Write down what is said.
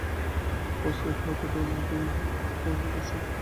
প্রশ্রয় পেলে অত্যন্ত উন্নতি হবে ভরসা হচ্ছে।